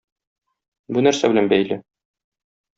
Бу нәрсә белән бәйле?